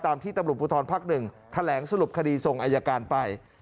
ตามที่ตำรวจภูทรภักดิ์๑แถลงสรุปคดีส่งอายการไป